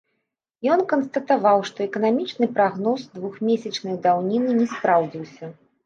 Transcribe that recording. Ён канстатаваў, што эканамічны прагноз двухмесячнай даўніны не спраўдзіўся.